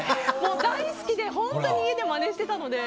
大好きで本当に家でまねしていたので。